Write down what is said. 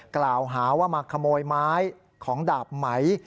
กล่าวหาว่ามาขโมยไม้ของดาบไหม